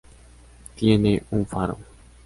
Tiene un faro.